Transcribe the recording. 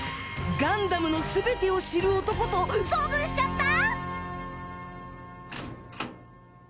『ガンダム』の全てを知る男と遭遇しちゃった！？